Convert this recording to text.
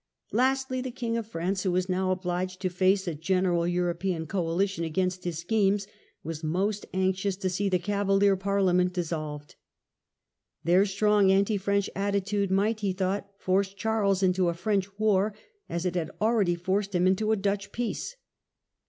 Lastly the king of France, who was now obliged to face a general European coalition against his schemes, was most anxious to see the "Cavalier Parliament" dissolved. Their strong anti French attitude might, he thought, force Charles into a French war as it had already forced him into a Dutch peace.